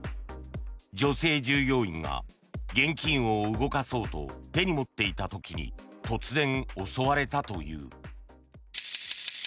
女性従業員が現金を動かそうと手に持っていた時に突然、襲われたという。